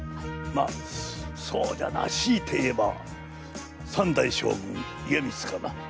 まあそうだなしいて言えば三代将軍家光かな。